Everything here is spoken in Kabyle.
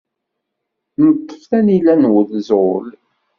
Neṭṭef tanila n wenẓul.